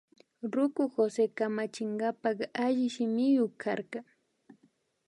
Ruku Jose kamachinkapak alli shimiyuk karka